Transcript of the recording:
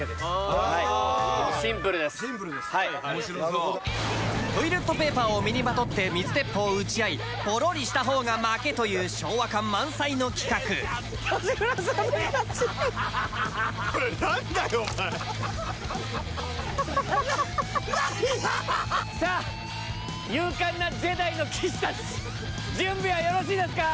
はいシンプルですシンプルですトイレットペーパーを身にまとって水鉄砲を撃ち合いポロリした方が負けという昭和感満載の企画さあ勇敢なジェダイの騎士達準備はよろしいですか？